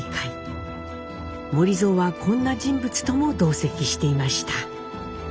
守造はこんな人物とも同席していました。